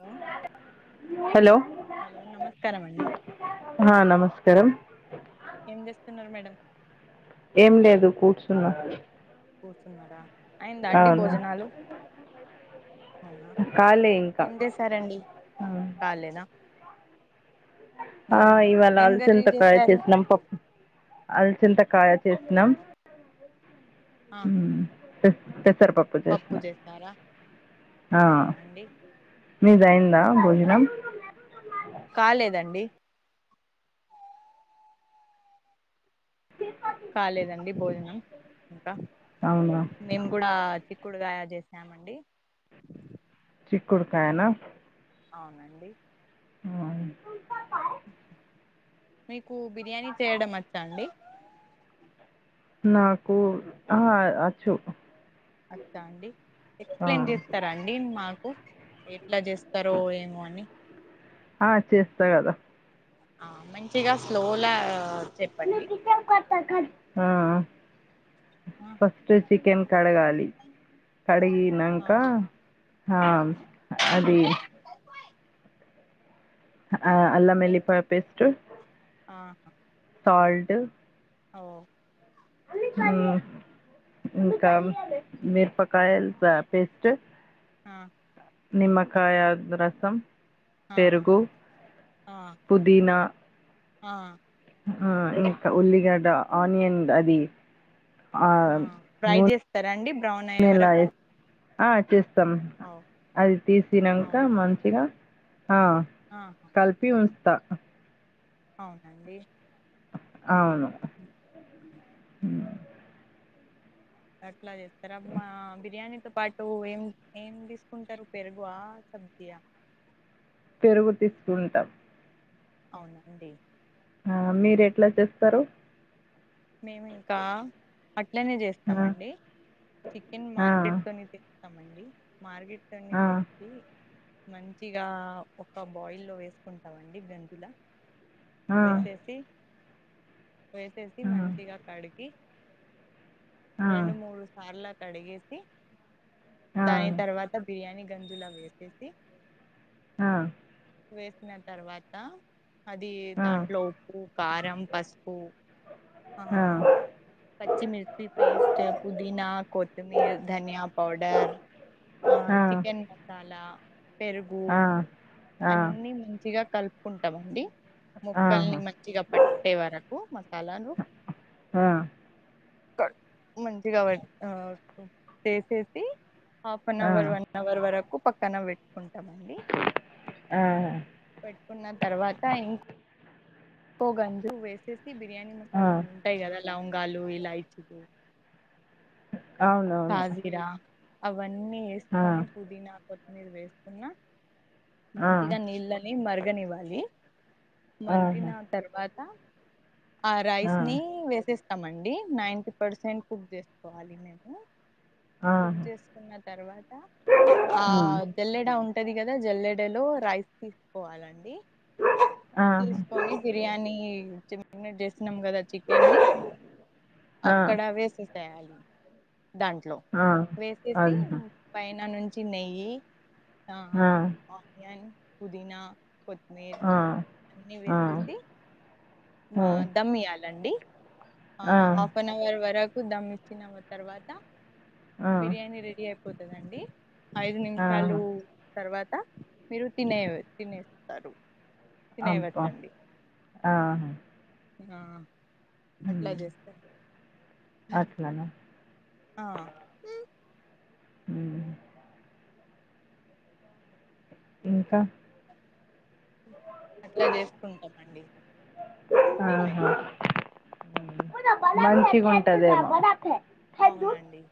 Hello hello నమస్కారం అండి అ నమస్కారం ఏం చేస్తున్నారు మేడం ఏం లేదు కూర్చున్న కూర్చున్నరా అయిందా అండి భోజనాలు ఖాళీ ఇంకా ఏం జేశారండి ఆ ఇవాళ ఏం కర్రీ అల్చింతకాయ చేసారు చేసినాం పప్పు అల్చింత కాయ చేసినం ఆహ [unintelligible] పప్పు చేసినాం జేసారా ఆ మీది అయిందా ఉమ్, బోజనం కాలేదండి కాలేదండి భోజనం ఇంకా అవునా మేమ్ గూడా చిక్కుడుగాయ జేసామండి చిక్కుడుకాయనా అవునండి అ అవును మీకూ బిర్యానీ చేయడం వచ్చా అండి నాకూ అహా అచ్చు అచ్చా అండి ఆ ఎక్స్ప్రెస్ చేస్తారా అండి మాకు ఎట్లా చేస్తారో ఏమో అని ఆ చేస్తా గాదా ఆ మంచిగా స్లోలా చెప్పండి ఆ ఆ ఫస్ట్ చికెన్ కడగాలి ఆ కడిగినంక ఆ ఉహు అది అల్లం ఇం- ఎల్లిపాయ పేస్ట్ ఆహా సాల్ట్ ఓ హ్మ్మ్ ఇంకా మిరపకాయల్ పేస్ట్ ఆ నిమ్మకాయ రసం ఆహా పెరుగు ఆ పుదీనా ఆ ఆ ఇంకా ఉల్లిగడ్డ ఆనియన్ అది ఆ ఫ్రై చేస్తారా అండి బ్రౌన్ అయ్యే నూనెలా వరకు వేసి ఆ చేస్తాం ఓ అది తీసినంక అవునండి మంచిగా ఆ ఆహా కలిపి ఉంచుతా అవునండి అవును ఉహు. అట్లా చేస్తారు అ మా బిర్యానీతోో పాటు ఏం ఏం తీసుకుంటారు పెరుగుఆ శబ్దియ పెరుగు తీసుకుంటాం అవునండి ఆ మీరు ఎట్లా చేస్తారు మేము ఇంకా అట్లనే ఆ! జేస్తామండి చికెన్ ఆ! మార్కెట్ లోనే తెస్తామండి మార్కెట్ లోని ఆ! తెచ్చి మంచిగా ఒక బాయిల్ లో వేసుకుంటామండి గంజుల ఆ! ఆ! వేసేసి వేసేసి మంచిగా కడిగి ఆ! ఆ! రెండు మూడు సార్ల కడిగేసి ఆ! దాని తర్వాత బిర్యానీ గా గంజుల వేసేసి ఆ వేసిన తర్వాత అది దాంట్లో ఉప్పు కారం పసుపు ఆ పచ్చిమిిర్చి పేస్ట్ పుదీనా కొత్తిమీర ధనియా పౌడర్ ఆ చికెన్ మసాలా ఆ పెరుగు ఆ! ఆహా! అన్నిీ మంచిగా కలుపుకుంటాం అండి ముక్కల్ని మంచిగా పట్టే వరకు మసాలాను ఆ! మంచిగా వ చేసేసి హాఫ్ అన్ ఆ! అవర్ వన్ అవర్ వరకు పక్కన పెట్టుకుంటామండి ఆా కున్న తర్వాత ఇంకో గంజు వేసేసి బిర్యానీ ఆ! మసాలా ఉ ఉంటాయి కదా లవంగాాలు ఇలాయిచిలు అవునవును అవన్నీ ఆ! వేసుకొని పుదీనా కొత్తిమీర వేసుకున్నా ఆ! మంచిగా నీళ్ళని మరగనివ్వాలి ఆహా! మరిగిన తర్వాత. ఆ రైస్ ని వేసేస్త. స్తాయండి నైన్ంటీ పర్సెంట్ కుక్ చేసుకోవాలి మేము. కుక్ ఆహా! చేసుకున్న తర్వాత ఆ హ్మ్. జల్లెడ ఉంటది కదా జల్లెడ. లో రైస్ తీసుకోవాలండి ఆహా! తీసుకొని బిర్యానీ చే. న్న చేసినాం కదా చికెన్ని ఆ! అక్కడ వేసెసేయాలి. దాంట్లో ఆ! వేసేసి అదేనా! పైన నుంచి నెయ్యి ఆ! ఆహ్. పుదీనా కోత్. మీ ఆ! అన్నీ ఆ! వేసేసి మా హ్మ్. దమ్ ఇయ్యాలండి. ఆ! ఆహ్ హాఫ్ అన్ అవర్ వరకు దమ్ ఇచ్చినాం తర్వాత. ఆ! బిర్యానీ రెడీ అయిపోతదండి ఐదు ఆహా! నిమిషాలు తర్వా. మీరు తినేవి తినేస్తారు. అబ్బా తినేయవచ్చండి ఆహ్. ఆహ్. అట్లా చేస్తారు ఆరె అట్లనా! అహ్. ఉమ్. ఇంకా. అట్లా చేసుకుంటామండి ఆహా! మేమైతే. మంచిగుంటదేమో. అవునండి.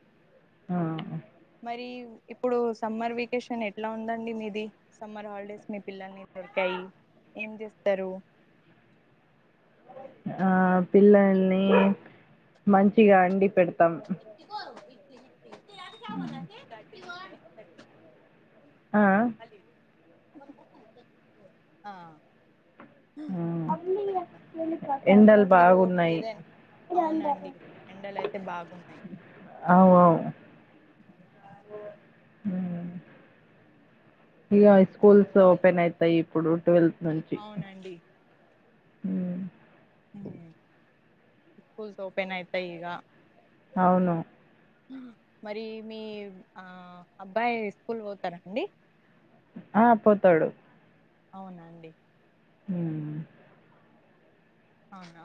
ఆహ్. మరి ఇప్పుడు సమ్మర్ వెకేషన్ ఎట్లా ఉందండి మీది సమ్మర్ హాలిడేస్ మీ పిల్లల్ని. ఏర్కాయి ఏం చేస్తారు. ఆహ్ పిల్లల్ని మంచిగా అండి పెడతాం. ఇగో ఆహ్. ఉమ్. ఆహ్. ఆహ్. అవును ఎండల్. మీరు ఏదైన అవునండి ఎండలు అయితే బాగున్నాయి. ఉమ్. ఇగ స్కూల్స్ ఇగా ఓపెన్ ఉన్నాయి. అయితాయి ఇప్పుడు ట్వెల్త్ నుంచి. అవునండి ఉమ్. ఉమ్ స్కూల్స్ ఓపెన్ అయితాయి ఇగ. అవును. మరి మీ ఆహ్ అబ్బాయి స్కూల్ పోతారాండి. ఆహ్ పోతాడు. అవునాండి. ఉమ్. అవునా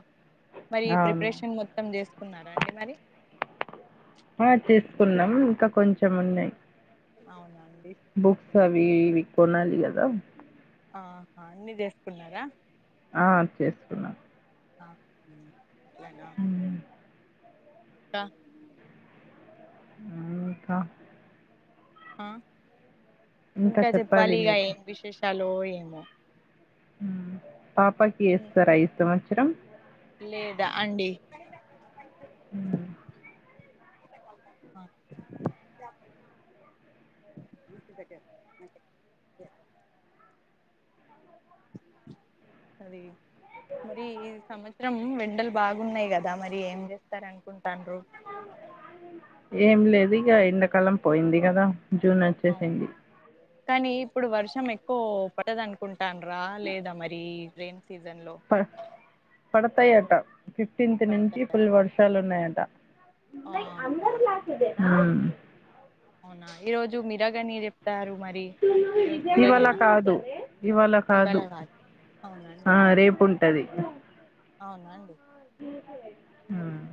మరి అవును. ప్రిపరేషన్ మొత్తం చేసుకున్నారా అండి మరి. ఆహ్ చేసుకున్నాం ఇంకా కొంచెం ఉన్నాయి. అవునా అండి. బుక్స్ అవి ఇవి కొనాలి కదా. ఆహా అన్ని జేస్కున్నారా. ఆ చేసుకున్నా ఆ ఊ అట్లనా హ్మ్. క ఆ ఇంకా ఆ ఇంకా చెప్పాలి ఇక ఏం విశేషాలు ఏమో ఊ పాపాకి ఇం యేస్తార ఈ సంవత్సరం లేదా అండి ఊ అ ఊడ్చిన్ దగ్గ అంతే చె అది మరి ఈ సంవత్సరం ఎండలు బాగున్నాయి కదా మరి ఏం చేస్తారనుకుంటాన్రు ఏమో హలో ఏం లేదు ఇగ ఎండాకాలం పోయింది కదా జూన్ అవును వచ్చేసింది కానీ ఇప్పుడు వర్షం ఎక్కువ పడదు అనుకుంటాండ్రా లేదా మరి రేన్ సీజన్ లో ప పడతాయట ఫిఫ్టీన్త్ నుంచి పడతాయా ఫుల్ వర్షాలు ఉన్నాయట వున్నయ్ ఆహా అందరి క్లాస్ ఇదేనా అవునా ఈ రోజు మీరగాని చెప్పారు ఇవాళ కాదు ఇవాళ కాదు అవునండి ఆ రేపు ఉంటది అవున అండి హ్మ్.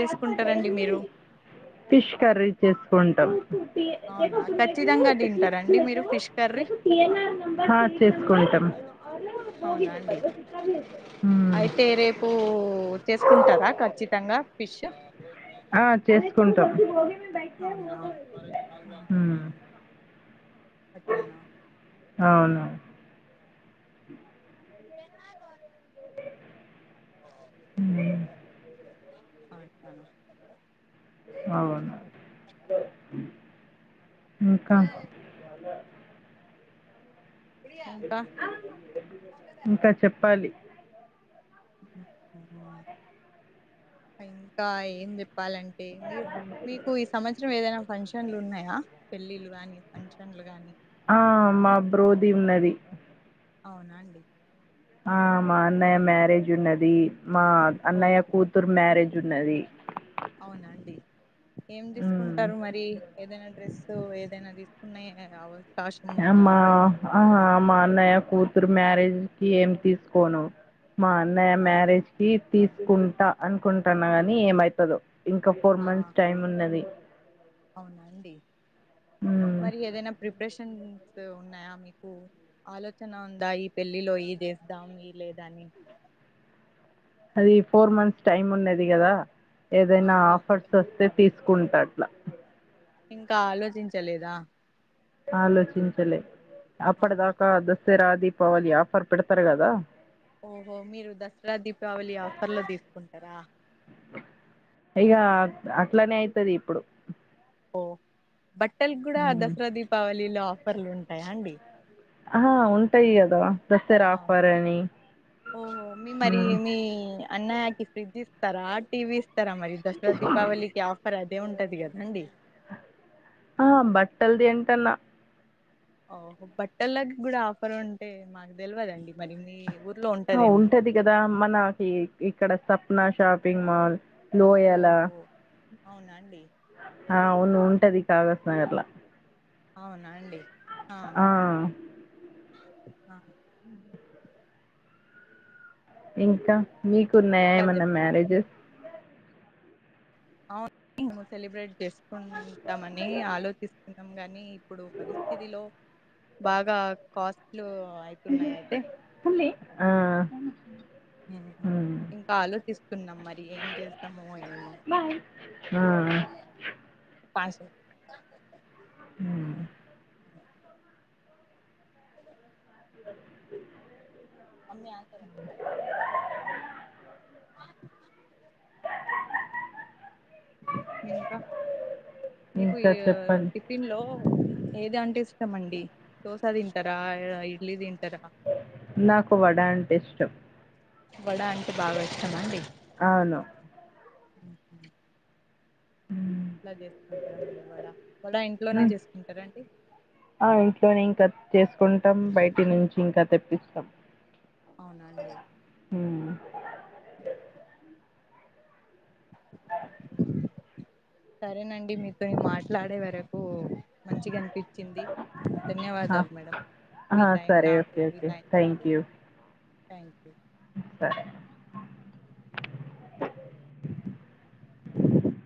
చేసుకుంటారండి మీరు ఫిష్ కర్రీ చేసుకుంటాం అవునా ఖచ్చితంగా తింటారండి మీరు ఫిష్ కర్రీ ఆ చేస్కుం తం అవునా అండి మ్మ్. అయితే రేపు చేసుకుంటరా ఖచ్చితంగా ఫిషు ఆ చేసుకుంటాం అవునా ఉహు మ్మ్. అట్లన అవును అట్లన అవును ఇంకా ఇంకా ఇంకా చెప్పాలి ఇంకా ఏం చెప్ ప్పాలంటే మీర్ మీకు ఈ సంవత్సరం ఏదైనా ఫంక్షన్లు ఉన్నాయా పెళ్ళిళ్లు గానీ ఫంక్షన్లు గానీ తిన్నది అవునా అండి ఆ మా ఆ అన్నయ్య మ్యారేజ్ ఉన్నది, మా ఓ అన్నయ్య కూతురు మ్యారేజ్ ఉన్నది. అవునా అండి ఏం మ్మ్. తీసుకుంటరు మరి ఏదైనా డ్రెస్ ఏదైనా తీసుకున్నా ఏ అవదు ఇగ మా ఆ మా అన్నయ్య కూతురు మ్యారేజ్ కి ఏం తీసుకోను మా అన్నయ్య ఆ, మ్యారేజ్ కి తీసుకుంటా అనుకుంటున్నా గాని ఏమైతదో ఇంకా ఫోర్ మంత్స్ ఆహా టైమ్ ఉన్నది అవునా అండి మ్మ్ మరి ఏదైనా ప్రిపరేషన్ ఉన్నాయా మీకు ఆలోచన ఉందా ఈ పెళ్లిలో ఈ చేద్దాం ఈ లేదా అని అది ఫోర్ మంత్స్ టైమ్ ఉన్నది కదా ఏదైనా ఆహా ఆఫర్స్ వస్తే తీసుకుంటా అట్లా ఇంకా ఆలోచించలేదా ఆలోచించలే అప్పడ అవునా దాకా దసరాది దిపావళి ఆఫర్ పెడతారు కదా ఓహో మీరు దసరా దీపావళి ఆఫర్లో తీసుకుంటారా ఇగ అట్లనే అయితది ఇప్పుడు ఓ బట్టలు గూడా మ్మ్ దసరా దీపావళిలో ఆఫర్లు ఉంటాయా అండి ఆహా ఉంటాయి కదా దసరా ఆఫర్ అవునా అని ఓహో మీ మరి మ్మ్ మీ అన్నయ్యకి ఫ్రిడ్జ్ ఇస్తారా టీవీ ఇస్తారా మరి దసరా దీపావళికి ఆఫర్ అది తే ఉంటది కదా అండి ఆ బట్టలుది ఏంటన్నా ఓహొ బట్టలకి కూడా ఆఫర్ ఉంటే మాకు తెలివదండి మరిన్ని ఆ ఉంటది కదా మనకి ఇక్కడ సప్న షాపింగ్ మాల్ లోయాల ఓహో అవునా అండి అవును ఉంటది కా ర్లా [unintelligible] అవునా అండి ఆ ఆ ఇంకా మీకున్నాయా ఇంకా ఏమన్నా చెప్తా మ్యారేజెస్ అవును సెలబ్రేట్ చేసుకుంటామని ఆలోచిస్తున్నాం గాని ఇప్పుడు పరిస్థితిలో బాగా కాస్ట్లు అయితున్నాయి అయితే లే ఆ మ్మ్ ఇంకా ఆలోచిస్తున్నాం మరి ఏం చేస్తామో ఏమో ఆ పాశం ఉం అ సరే అమ్మ [unintelligible] [inaudible] ఇంకా మీకు ఈ ఇంకా చెప్పండి టిఫిన్ లో ఏది అంటే ఇష్టమండి దోస తింటారా ఇడ్లీ తి నాకు వడ అంటే ఇష్టం వడ అంటే బాగా ఇష్టమా అండి అవును ఇలా చేసుకుంటారా మీరు వడ వడ ఇంట్లోనే ఉమ్. చేసుకుంటారా అండి ఆ ఇంట్లోనే ఇంకా చేసుకుంటాం బయటి నుంచి ఇంకా తెప్పిస్తాం అవునా అండి ఉమ్ [inaudible] [inaudible] సరేనండి మీతోని మాట్లాడే వరకు మంచిగా అనిపించ వచ్చింది ఆ ధన్యవాదాలు మేడం మీ ఆ టైం సరే నాకు ఓకే ఓకే థ్యాంక్ కేటాయించారు యూ థ్యాంక్ యూ సరే